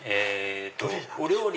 お料理